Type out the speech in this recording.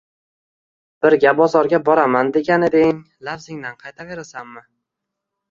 Birga bozorga boraman, deganding, lafzingdan qaytaverasanmi?